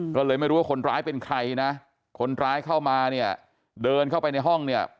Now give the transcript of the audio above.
ก็เลยไม่รู้ว่าคนร้ายเป็นใครนะคนร้ายเข้ามาเนี่ยเดินเข้าไปในห้องเนี่ย